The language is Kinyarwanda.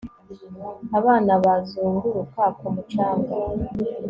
abana bazunguruka ku mucanga